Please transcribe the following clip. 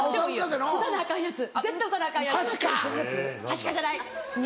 はしかじゃない。